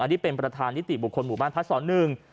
อันนี้เป็นประธานนิติบุคคลหมู่บ้านพัฒน์สอน๑